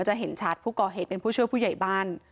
จะเห็นชัดผู้ก่อเหตุเป็นผู้ช่วยผู้ใหญ่บ้าน